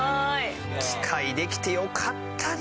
機械できてよかったね。